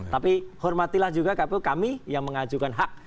tapi hormatilah juga kpu kami yang mengajukan hak